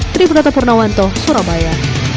tribun kata purnawanto surabaya